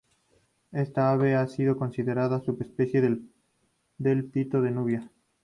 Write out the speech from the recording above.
Esta ave ha sido considerada subespecie del pito de Nubia.